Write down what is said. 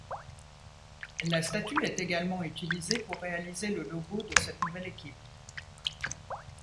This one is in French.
La statue est également utilisée pour réaliser le logo de cette nouvelle équipe.